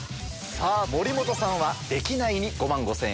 さぁ森本さんは「できない」に５万５０００円。